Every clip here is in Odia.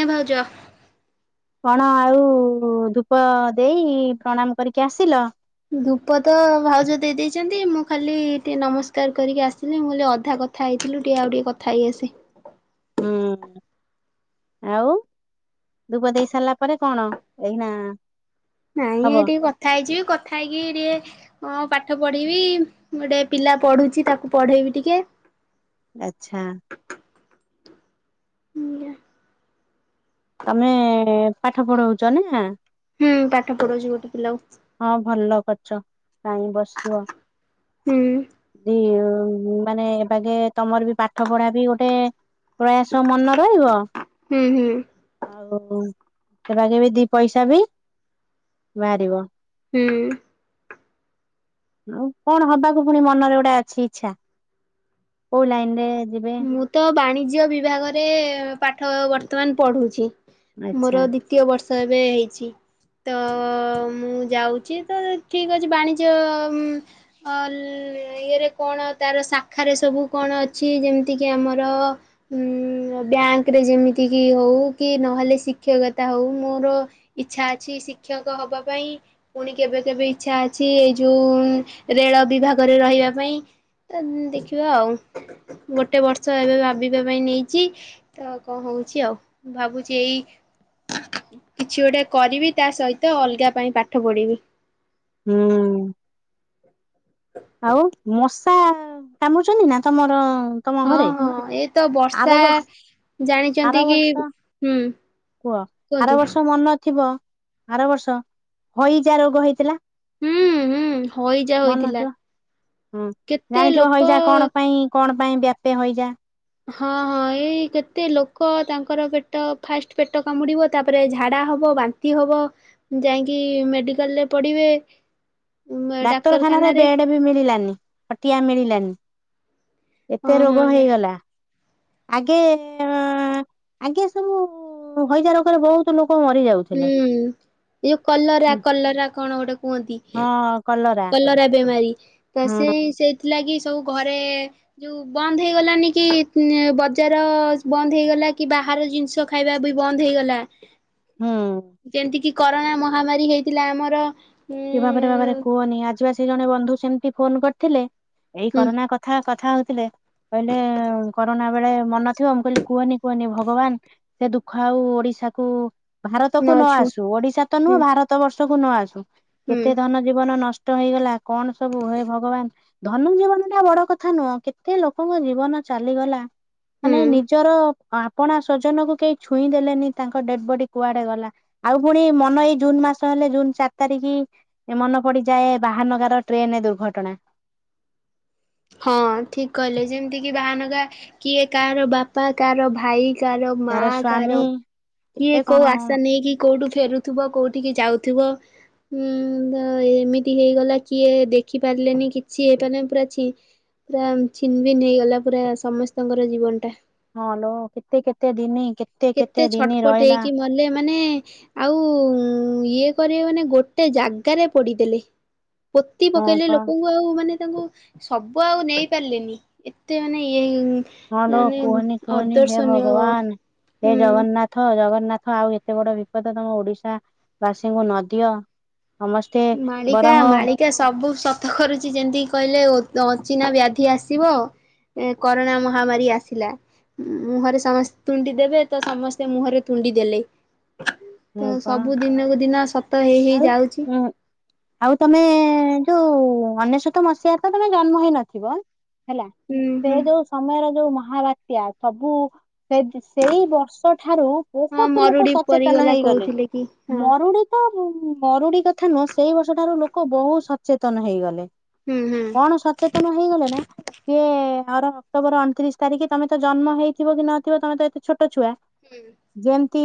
ଆ ଭାଉଜ। କଣ ଆଉ ଧୂପ ଦେଇ ପ୍ରଣାମ କରିକି ଆସିଲ। ଧୂପ ତ ଭାଉଜ ଦେଇ ଦେଇଦେଇଚନ୍ତି, ମୁଁ ଖାଲି ଟିକି ନମସ୍କାର କରିକି ଆସିଲି। ମୁଁ କହିଲି ଅଧା କଥା ହେଇ ଥିଲୁ, ଟିକେ ଆଉ ଟିକେ କଥା ହେଇ ଆସେ। ହୁଁ। ଆଉ ଧୂପ ଦେଇ ସାରିଲା ପରେ କଣ ଏଇନା ନାଇଁ ହବ? ଏଇ ଟିକେ କଥା ହେଇଯିବି, କଥା ହେଇକି ଟିକେ ହଁ ପାଠ ପଢେଇବି, ଗୋଟେ ପିଲା ପଢୁଚି ତାକୁ ପଢେଇବି ଟିକେ। ଆଚ୍ଛା। ଆଜ୍ଞା। ତମେ ପାଠ ପଢଉଚ ନା। ହୁଁ ପାଠ ପଢଉଛଚି ଗୋଟେ ପିଲାକୁ। ହଁ ଭଲ କରିଚ କାଇଁ ବସିବ ହୁଁ ଦିଉ ଉଁ ମାନେ ଏ ବାଗେ ତମର ବି ପାଠ ପଢା ବି ଗୋଟେ ପ୍ରୟାସ ମନ ରହିବ ହୁଁ ହୁଁ ଆଉ ହ ସେ ବାଗେ ବି ଦି ପଇସା ବି ବାହାରିବ। ହୁଁ। ଆଉ କଣ ହବାକୁ ପୁଣି ମନରେ ଗୋଟେ ଅଛି ଇଚ୍ଛା। କୋଉ ଲାଇନରେ ମୁଁ ତ ବାଣିଜ୍ୟ ବିଭାଗରେ ପାଠ ବର୍ତ୍ତମାନ ପଢୁଛି। ଆଚ୍ଛା ମୋର ଦ୍ଵିତୀୟ ବର୍ଷ ଏବେ ହେଇଛି। ତ ମୁଁ ଯାଉଛି। ତ ଠିକ ଅଛି ବାଣିଜ୍ୟ ଉଁ ଅ କି ଇଏରେ କଣ ତାର ଶାଖାରେ ସବୁ କଣ ଅଛି ଯେମତି ଏତିକି ଆମର, ଉ ବ୍ୟାଙ୍କରେ ଯେମିତି କି ହଉ କି ନହେଲେ ଶିକ୍ଷକତା ଆଉ ମୋର ଇଚ୍ଛା ଅଛି ଶିକ୍ଷକ ହବା ପାଇଁ। ପୁଣି କେବେ କେବେ ଇଚ୍ଛା ଅଛି ଏଇ ଯୋଉ ଉ ରେଳ ବିଭାଗରେ ରହିବା ପାଇଁ ତ ଦେଖିବା ଆଉ। ଗୋଟେ ବର୍ଷ ଏବେ ଭାବିବା ପାଇଁ ନେଇଚି। ତ କଣ ହଉଛି ଆଉ, ମୁ ଭାବୁଛି ଏଇ କିଛି ଗୋଟେ କରିବି, ତା ସହିତ ଅଲଗା ପାଇଁ ପାଠ ପଢିବି। ହୁଁ। ଆଉ ମଶା କାମୁଡୁଛନ୍ତି ନା ତମର ତମ ହଁ ଘରେ? ହଁ ଏ ତ ବର୍ଷା ଆର ବର୍ଷ ଆର ଜାଣିଛନ୍ତି, କି ବର୍ଷ ହୁଁ। କୁହ ଆର କୁହନ୍ତୁ ବର୍ଷ ମନ ଥିବ। ଆର ବର୍ଷ ହଇଜା ରୋଗ ହେଇଥିଲା। ହୁଁ ହୁଁ ହଇଜା ମନ ଥିବ ହୋଇଥିଲା। ହୁଁ କେତେ ଜାଣିଥିବ ଲୋକ ହଇଯା କଣ ପାଇଁ କଣ ପାଇଁ ବ୍ୟାପେ ହଇଯା। ହଁ ହଁ ଏଇ କେତେ ଲୋକ ତାଙ୍କର ପେଟ ଫାଷ୍ଟ ପେଟ କାମୁଡିବ, ତାପରେ ଝାଡା ହ ହବ ବାନ୍ତି ହବ ଯାଇକି ମେଡିକାଲରେ ପଡିବେ। ଡାକ୍ତରଖାନାରେ ବେଡ ବି ମିଳିଲାନି ଖଟିଆ ମିଳିଲାନି। ହଁ ଏତେ ହଁ ରୋଗ ଯା ହେଇଗଲା। ଆଗେ ଆଗେ ସବୁ ହଇଜା ରୋଗରେ ବହୁତ ଲୋକ ମରି ହୁଁ ଯାଉଥିଲେ। ଇଏ କଲରା କଲରା କଣ ଗୋଟେ କୁହନ୍ତି। କଲରା ବେମାରୀ ତ ହୁଁ ସେଇ ସେଇଥିଲା କି ସବୁ ଘରେ ଯୋଉ ବନ୍ଦ ହେଇଗଲାନି କି ଉଁ ବଜାର ବନ୍ଦ ହେଇଗଲା କି କି ବାହାର ଜିନିଷ ଖାଇବା ବି ବନ୍ଦ ହେଇଗଲା। ହୁଁ। ଯେମିତି କିି କରୋନା ମହାମାରୀ ହେଇଥିଲା ଆମର ଉଁ ଏ ବାବାରେ ବାବାରେ କୁହନି, ଆଜିିବା ସେ ଜଣେ ବନ୍ଧୁ ସେମତି ଫୋନ କରିଥିଲେ ଏଇ କରୋନା କଥା କଥା ହଉଥିଲେ, କହିଲେ କରୋନା ବେଳେ ମନ ଥିବ। ମୁଁ କହିଲି କୁହନି କୁହନି ଭଗବାନ ସେ ଦୁଃଖ ଆଉ ଓଡିଶାକୁ ଭାରତ କୁ ନ ନଛୁ ଆସୁ। ଓଡିଶା ତ ହୁଁ ନୁହଁ ଭାରତ ବର୍ଷକୁ ନ ଆସୁ ହୁଁ କେତେ ଧନ ଜୀବନ ନଷ୍ଟ [inaudible] ହେଇଗଲା କଣ ସବୁ ହେ ଭଗବାନ। ଧନୁ ଜୀବନଟା ବଡ କଥା ନୁହଁ କେତେ ଲୋକଙ୍କ ଜୀବନ ଚାଲିଗଲା। ହୁଁ ମାନେ ନିଜର ଆପଣା ସ୍ଵଜନକୁ କେହି ଛୁଇଁ ଦେଲେନି ତାଙ୍କ ଡେଡ ବଡି କୁଆଡେ ଗଲା। ଆଉ ପୁଣି ମନ ଏଇ ଜୁନ ମା ମାସ ହେଲେ ଜୁନ ଚାରି ତାରିଖ ଏ ମନେ ପଡିଯାଏ ବାହାନଗାର ଟ୍ରେନ ଦୁର୍ଘଟଣା। ହଁ ଠିକ କହିଲେ ଯେମିତିକି ବାହାନଗା କିଏ କାହାର ବାପା କାହାର ଭାଇ- କାର ମା ଯାହାର କାହାର ସ୍ଵାମୀ କିଏ କେତେ କଣ କୋଉ ଆଶା ନେଇ କିି କୋଉଠୁ ଫେରୁଥିବ କୋଉ ଟିକେ ଯାଉଥିବ। ହୁଁ ତ ଏମିତି ହେଇଗଲା କିଏ ଦେଖିପାରିଲେନି କିଛି ହେଇପାରିଲ ପୁରା ଛି। ପୁରା ଛିନବିନ ହେଇଗଲା ପୁରା ସମସ୍ତଙ୍କର ଜୀବନ ଟା। ହଁ ଲୋ କେତେ କେତେ ଦିନ କେତେ ଛଟପଟ ହେଇକି ମଲେ ମାନେ ଆଉ ଇଏ କରିବା ମାନେ ଗୋଟେ ଜାଗାରେ ପୋଡିଦେଲେ। ପୋତି ହଁ ପକେଇଲେ ପା ଲୋକଙ୍କୁ ଆଉ ମାନେ ତାଙ୍କୁ ସବୁ ଆଉ ନେଇ ପାରିଲେନି ଏତେ ମାନେ ଇଏ ହଁଲୋ ମାନେ କୁହନି କୁହନି ହେ ଅଦର୍ଶନୀୟ ଭଗବାନ ହେ ହୁଁ। ଜଗନ୍ନାଥ। ହେ ଜଗନ୍ନାଥ ଆଉ ଏତେ ବଡ ବିପଦ ତମେ ଓଡିଶା ବାସୀଙ୍କୁ ନଦିଅ। ସମସ୍ତେ ମାଳିକା ବରଂ ଆଉ ମାଳିକା ସବୁ ସତ କରୁଛି ଯେମିତିକି କହିଲେ ଚିନା ବ୍ୟାଧି ଆସିବ ଏ କରୋନା ମହାମାରୀ ଆସିଲା ମୁହଁରେ ସମସ୍ତେ ତୁଣ୍ଡି ଦେବେ ତ ସମସ୍ତେ ମୁହଁରେ ତୁଣ୍ଡି ଦେଲେ। ତ ସବୁ ଦିନକୁ ଦିନ ସତ ହେଇ ହେଇ ଯାଉଚି। ଉଁ ଆଉ ତମେ ଯୋଉ ଅନେଶତ ମସିହାରେ ତ ତମେ ଜନ୍ମ ହେଇନଥିବ ହେଲା ହୁଁ ସେ ହୁଁ ଯୋଉ ସମୟରେ ଯୋଉ ମହାବାତ୍ୟା ସବୁ ସେ ଦି ସେଇ ବର୍ଷ ଠାରୁ ହଁ ବହୁତ ଲୋକ ମରୁଡି ସଚେତନ ତନ ପରିଗଲା ହେଇଗଲେ କହୁଥିଲେ କି ହଁ ମରୁଡି ତ ମରୁଡି କଥା ନୁହଁ ସେଇ ବର୍ଷ ଠାରୁ ଲୋକ ବହୁତ ସଚେତନ ହେଇଗଲେ। ହୁଁ ହୁଁ। କଣ ସଚେତନ ହେଇଗଲେ ନା ସିଏ ଆର ଅକ୍ଟୋବର ଅଣତିରିଶ ତାରିଖି ତମେ ତ ଜନ୍ମ ହେଇଥିବ କି ନଥିବ ତମେ ତ ଏ କିଛି ଛୋଟ ଛୁଆ ଯେମିତି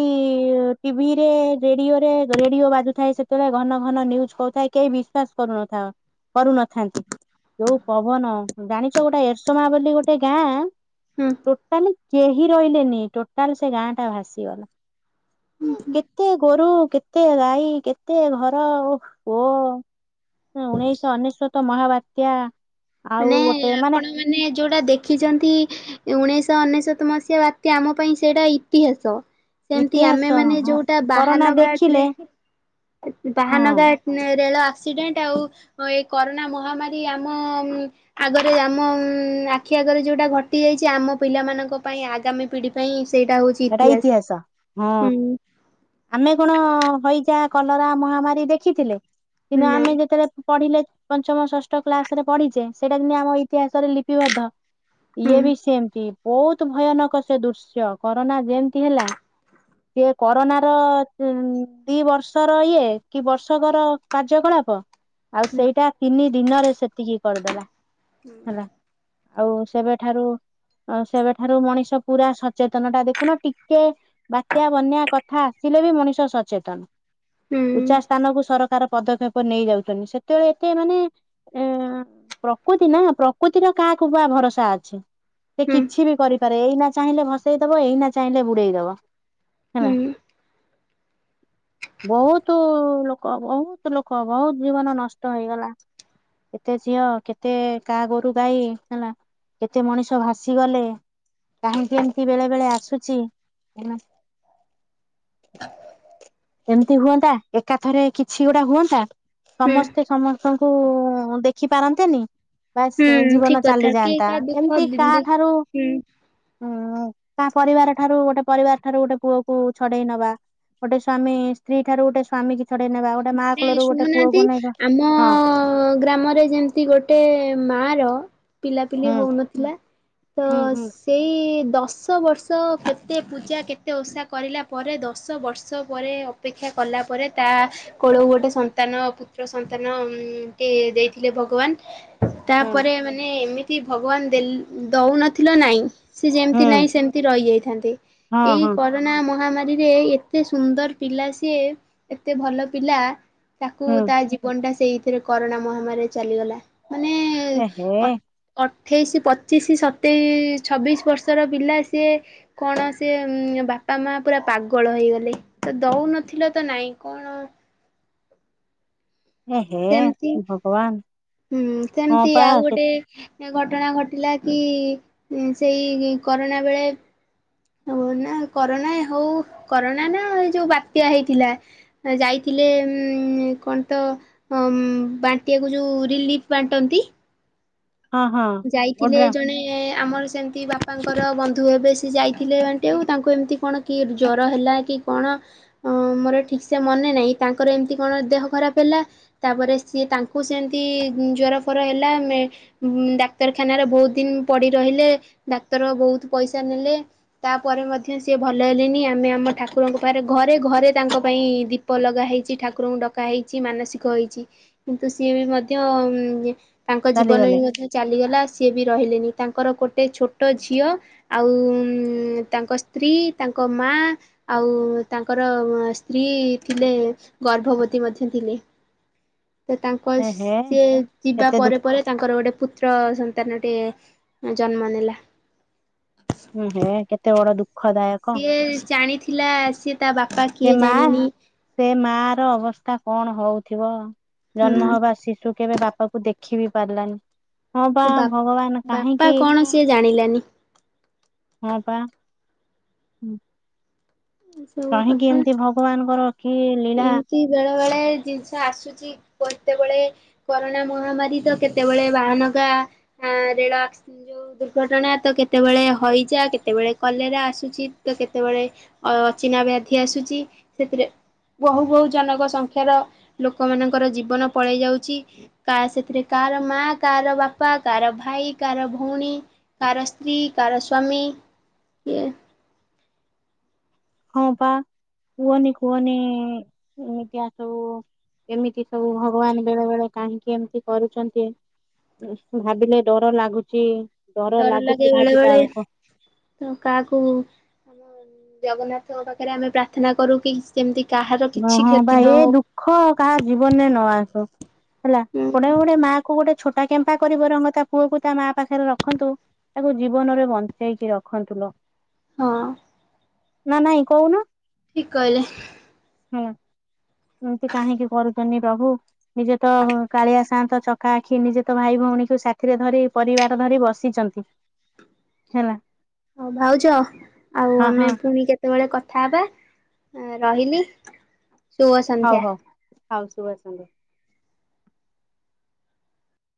ଟିଭି ରେ ରେଡିଓ ରେ ରେଡିଓ ବାଜୁଥାଏ ସେତେବେଳେ ଘନ ଘନ ନ୍ୟୁଜ କହୁଥାଏ କେହି ବିଶ୍ଵାସ କରୁନଥାଆ ହଁ। କରୁନଥାନ୍ତି ଯୋଉ ପବନ ଜାଣିଛ ଗୋଟେ ଏରସୋମା ବୋଲି ଗୋଟେ ଗାଁ ହୁଁ ଟୋଟାଲି କେହି ରହିଲେନି ଟୋଟାଲ ସେ ଗାଁ ଟା ଭାସିଗଲା। କେତେ ଗୋରୁ କେତେ ଗାଈ କେତେ ଘର ଓହୋ ଉଣେଇଶ ଅନେଶତ ମହାବାତ୍ୟା ଆଉ ମାନେ ଗୋଟେ ଆପଣ ମାନେ ଯୋଉଟା ଦେଖିଚନ୍ତି ଉଣେଇଶ ସ ଅନେଶତ ମସିହା ବାତ୍ୟା ଆମ ପାଇଁ ସେଇଟା ଇତିହାସ। ସେମିତି ଇତିହାସ ଆମେ ମାନେ ହଁ ଯୋଉଟା କରୋନା ବାହାନଗା ଦେଖିଲେ ଟ୍ରେନ୍ ହଁ ବାହାନଗ ଉଁ ରେଳ ଆକ୍ସିଡେଣ୍ଟ ଆଉ ଏ କରୋନା ମହାମାରୀ ଆମ ମଁ ଆଗରେ ଆମ ଉଁ ଆଖି ଆଗରେ ଯୋଉଟା ଘଟି ଯାଇଛି ଆମ ପିଲା ମାନଙ୍କ ପାଇଁ ଆଗାମୀ ପିଢି ପାଇଁ ସେଇଟା ହଉଛି ସେଟା ଇତିହାସ ହଁ ହୁଁ ଆମେ କଣ ହଇଜା କଲରା ମହାମାରୀ ଦେଖିଥିଲେ କିନ୍ତୁ ଆମେ ନାଇଁ ଯେତେବେଳେ ପଢିଲେ ପଞ୍ଚମ ଷଷ୍ଠ କ୍ଲାସ ରେ ପଢିଚେ ସେଇଟା ଜିନ୍ତି ଆମ ଇତିହାସରେ ଲିପିବଦ୍ଧ ଇଏ ହୁଁ ବି ସେମତି ବହୁତ ଭୟାନକ ସେ ଦୃଶ୍ୟ କରୋନା ଯେମିତି ହେଲା ସିଏ କରୋନା ର ତ ଦି ବର୍ଷର ଇଏ କି ବର୍ଷକର କାର୍ଯ୍ୟକଳାପ ଆଉ ହୁଁ ସେଇଟା ତିନି ଦିନରେ ସେତିକି କରିଦେଲା। ହେଲା ଆଉ ସେବେଠାରୁ ଅଁ ସେବେଠାରୁ ମଣିଷ ପୁରା ସଚ ସଚେତନ ଟା ଦେଖୁନ ଟିକେ ବାତ୍ୟା ବନ୍ୟା କଥା ଆସିଲେ ବି ମଣିଷ ସଚେତନ ହୁଁ ଉଚା ସ୍ଥାନକୁ ସରକାର ପଦକ୍ଷେପ ନେଇଯାଉଚନ୍ତି ସେତେବେଳେ ଏତେ ମାନେ ଏ ପ୍ରକୃତି ନା ପ୍ରକୃତିର କା କୁ ବା ଭରସା ଅଛି। ସେ ହୁଁ କିଛି ବି କରିପାରେ ଏଇନା ଚାହିଁଲେ ଭସେଇ ଦବ ଏଇନା ଚାହିଁଲେ ବୁଡେଇ ଦବ। ହେଲା। ହୁଁ। [inaudible] ବହୁତ ଲୋକ ବହୁତ ଲୋକ ବହୁତ ଜୀବନ ନଷ୍ଟ ହେଇଗଲା। କେତେ ଝିଅ କେତେ କା ଗୋରୁ ଗାଈ ହେଲା କେତେ ମଣିଷ ଭାସିଗଲେ କାହିଁକି ଏମତି କି ବେଳେବେଳେ ଆସୁଚି ଏମିତି ହୁଅନ୍ତା ଏକା ଥରେ କିଛି ଗୋଟା ହୁଅନ୍ତା ହୁଁ ସମସ୍ତେ ସମସ୍ତଙ୍କୁ ଦେଖି ପାରନ୍ତେନି ବାସ ହୁଁ ଠିକ ଜୀବନ କଥା କେହି ଚାଲିଯାଆନ୍ତା କାହା ଦୁଃଖ ଏମିତି କାହା ଠାରୁ ହୁଁ ଉଁ କା ପରିବାର ଠାରୁ ଗୋଟେ ପରିବାର ଠାରୁ ଗୋଟେ ପୁଅକୁ ଛଡେଇ ନବା ଗୋଟେ ସ୍ୱାମୀ ସ୍ତ୍ରୀ ଠାରୁ ଗୋଟେ ସ୍ୱାମୀ କି ଛ ଏ ଶୁଣୁନାହାନ୍ତି ଆମ ହଁ ଗ୍ରାମରେ ଯେମିତି ଗୋଟେ ମା ର ପିଲାପିଲି ହୁଁ ହଉନଥିଲା ତ ହୁଁ ହୁଁ ସେଇ ଦଶ ବର୍ଷ କେତେ ପୂଜା କେତେ ଓଷା କରିଲା ପରେ ଦଶ ବର୍ଷ ପରେ ଅପେକ୍ଷା କଲା ପରେ ତା କୋଳକୁ ଗୋଟେ ସନ୍ତାନ ପୁତ୍ର ସନ୍ତାନ ଉମ ଟେ ଦେଇଥିଲେ ଭଗବାନ। ହୁଁ ତାପରେ ମାନେ ଏମିତି ଭଗବାନ ଦେଲ ଦଉନଥିଲ ନାଇଁ। ସେ ଯେମତି ହୁଁ ନାଇଁ ସେମିତି ରହିଯାଇଥାନ୍ତେ ହଁ ଏଇ ହଁ କରୋନା ମହାମାର ରି ରି ଏଇ ଏତେ ସୁନ୍ଦର ପିଲା ସିଏ ଏତେ ଭଲ ପିଲା। ତାକୁ ହୁଁ ତା ଜୀବନ ଟା ସେଇଥିରେ କରୋନା ମହାମାରୀରେ ଚାଲିଗଲା ମାନେ ଏହେ ଅଟ ଅଟ ଅଠେଇସି, ପଚିଶି, ସତେଇସ, ଛବିଶ ବର୍ଷ ର ପିଲା ସିଏ କଣ ସିଏ ଉମ ବା ତା ମା ପୁରା ପାଗଳ ହେଇଗଲେ। ତ ଦଉନଥିଲ ତ ନାଇଁ କଣ? ଏହେ ସେମତି ଭଗବାନ ହୁଁ ହଁ ସେମିତି ପା ଆଉ କେ ଗୋଟେ ଘଟଣା ଘଟିଲା କି ଉମ ସେଇ କରୋନା ବେଳେ ଅଁ ନା କରୋନା ଏ ହଉ କରୋନା ନା ଏ ଯୋଉ ବାତ୍ୟା ହେଇଥିଲା ଯାଇଥିଲେ ଉମ ଉମ କଣ୍ଟ ଅଁ ଉମ ବାଣ୍ଟିବାକୁ ଯୋଉ ରିଲିଫ ବାଣ୍ଟନ୍ତି। ହଁ ହଁ ଯାଇଥିଲେ ଓଡ୍ରାମ ଜଣେ ଆମର ସେମତି ବାପାଙ୍କର ବନ୍ଧୁ ହେବେ ସେ ଯାଇଥିଲେ ବାଣ୍ଟିବାକୁ ତାଙ୍କୁ ଏମତି କଣ କି ଜ୍ଵର ହେଲା କି କଣ? ଅଁ ଅଁ ମୋର ଠିକ ସେ ମନେ ନାହିଁ ତାଙ୍କର ଏମତି କଣ ଦେହ ଖରାପ ହେଲା। ତାପରେ ସିଏ ତାଙ୍କ କୁ ସେମତି ଉମ ଜର ଫର ହେଲା, ମେ ଡାକ୍ତ ଡାକ୍ତରଖାନାରେ ବହୁତ ଦିନ ପଡି ରହିଲେ। ଡାକ୍ତର ବହୁତ ପଇସା ନେଲେ। ତାପରେ ମଧ୍ୟ ସିଏ ଭଲ ହେଲେନି। ଆମେ ଆମ ଠାକୁରଙ୍କୁ ପାଖରେ ଘରେ ଘରେ ତାଙ୍କ ପାଇଁ ଦୀପ ଲଗା ହେଇଛି। ଠାକୁରଙ୍କୁ ଡକା ହେଇ ଇଛି। ମାନସିକ ହେଇଛି। କିନ୍ତୁ ସିଏ ବି ମଧ୍ୟ ଉମ ତାଙ୍କ ଜୀବନରେ ଚାଲିଗଲେ ମଧ୍ୟ [unintelligible] ଗଲା ସିଏ ବି ରହିଲେନି। ତାଙ୍କର ଗୋଟେ ଛୋଟ ଝିଅ ଆଉ ଉଁମ ତାଙ୍କ ସ୍ତ୍ରୀ କି ତାଙ୍କ ମା ଆଉ ତାଙ୍କର ସ୍ତ୍ରୀ ଥିଲେ ଗର୍ଭବତୀ ମ [unintelligible] ଥିଲେ। ତ ତାଙ୍କ ସି ଏହେ ସିଏ ଯିବା କେତେ ପରେ ଦୁଃଖ ପରେ ତାଙ୍କର ଗୋଟେ ପୁତ୍ର ସନ ତାନଟିଏ ଜନ୍ମ ନେଲା। ହୁଁ ହେ କେତେ ବଡ ଦୁଃ ସିଏ ଜାଣିଥିଲା ସିଏ ତା ବାପା। ଏ କିଏ ମା ଜାଣିନି ସେ ମା ର ଅବସ୍ଥା କଣ ହଉଥିବ? ଜନ୍ମ ହୁଁ ହବା ଶିଶୁ କେବେ ବାପାକୁ ଦେଖି ବିି ପାରିଲାନି। ହଁ ବା ଭଗବାନ ବାପା କାହିଁକି? କଣ ସିଏ ଜାଣିଲାନି ହଁ ବା। ହୁଁ। ଏସବୁ କାହିଁକି କଥା ଏମିତି ଭଗବାନଙ୍କର କି ଲୀଳା? ତେବେଳେ ଜିନିଷ ଆସୁଛି। କେତେବେଳେ କରୋନା ମହାମାରୀ ତ କେତେବେଳେ ବାହାନଗା। ଆ। ଅଁ ରେଳ ଯୋଉ ଦୁର୍ଘଟଣା ତ କେତେବେଳେ ହଇଯା କେତେବେଳେ କଲେରେ ଆସୁ ଚିତ ତ କେତେବେଳେ ଅଚିହନା ବ୍ୟାଧି ଆସୁଛି, ସେଥିରେ। ବହୁ ବହୁ ଜନକ ସଂଖ୍ୟାର ଲୋକମାନଙ୍କର ଜୀବନ ପଳେଇ ଯାଉଛି। କା ସେଥିରେ କା କାର ମା, କାର ବାପା, କାର ଭାଇ, କାର ଭଉଣୀ। କାର ସ୍ତ୍ରୀ, କାର ସ୍ୱାମୀ, ଇଏ। ହଁ ପା, କୁହନି କୁହନି ଉମ ଏମିତିଆ ସବୁ। ଏମିତି ସବୁ ଭଗବାନ ବେଳେ ବେଳେ କାହିଁକି ଏମତି କରୁଛନ୍ତି? [unintelligible] ଭାବିଲେ ଡର ଲାଗୁଚି। ଡର ଲାଗେ ବେଳେ ବେଳେ ତ କାହାକୁ ଜଗନ୍ନାଥଙ୍କ ପାଖରେ ଆମେ ପ୍ରାର୍ଥନା କରୁ କି ସେମତି ନହଁ ବା ଏ ଦୁଃଖ କାହା ଜୀବନରେ ନ ଆସୁ। ହେଲା। ହଉ। ପଡେ ଗୋଡେ ମାଆ କୁ ଗୋଟେ ଛୋଟା କେମ୍ପା କରି ବରଙ୍ଗ ତା ପୁଅ କୁ ତା ମା ପାଖରେ ରଖନ୍ତୁ। ତାକୁ ଜୀବନରେ ବଞ୍ଚେଇକି ରଖନ୍ତୁ ଲୋ। ହଁ। ନା ନାଇଁ କଉନ। ଠିକ କହିଲେ। ହୁଁ। ଏମତି କାହିଁକି କରୁ [unintelligible] ପ୍ରଭୁ, ନିଜେ ତ କାଳିଆ ସାଆନ୍ତ, ଚକା ଆଖି, ନିଜେ ତ ଭାଇ ଭଉଣୀକୁ ସାଥିରେ ଧରି ପରି ଛୁଆରା ଧରି ବସିଛନ୍ତି ହେଲା। ହୋଉ ଭାଉଜ ଆଉ ହଁ ଆମେ ହଁ ପୁଣି କେତେବେଳେ କଥ ଥା ହବା ରହିଲି ଶୁଭ ସନ୍ଧ୍ୟା। ହାଉସୁ ବାସନ୍ତି।